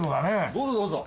どうぞどうぞ。